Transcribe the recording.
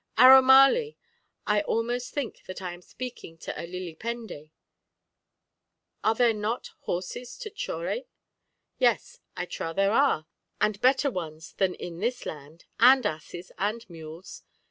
Aromali! I almost think that I am speaking to a lilipendi. Are there not horses to chore? Yes, I trow there are, and better ones than in this land, and asses, and mules.